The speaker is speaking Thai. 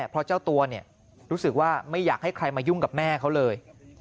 เพราะเจ้าตัวรู้สึกว่าไม่อยากให้ใครมายุ่งกับแม่เขาเลย